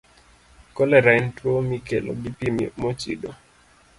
Kolera en tuwo mikelo gi pi mochido.